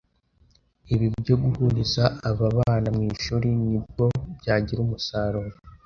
Ibi byo guhuriza aba bana mu ishuli nibwo byagira umusaruro.